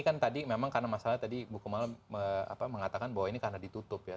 kan tadi memang karena masalah tadi bu kemala mengatakan bahwa ini karena ditutup ya